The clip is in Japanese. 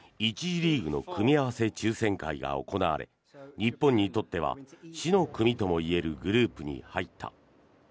１次リーグの組み合わせ抽選会が行われ日本にとっては死の組ともいえるグループに入った。